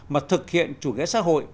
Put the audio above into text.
mà thực hiện chủ nghĩa xã hội